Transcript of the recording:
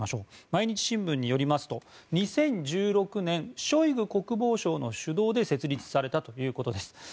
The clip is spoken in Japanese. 毎日新聞によりますと２０１６年ショイグ国防相の主導で設立されたということです。